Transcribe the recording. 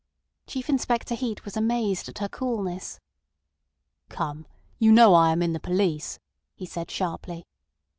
Chief Inspector Heat was amazed at her coolness. "Come! You know I am in the police," he said sharply.